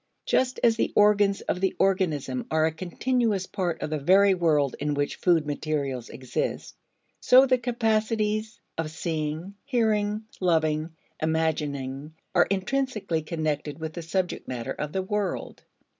Just as the organs of the organism are a continuous part of the very world in which food materials exist, so the capacities of seeing, hearing, loving, imagining are intrinsically connected with the subject matter of the world.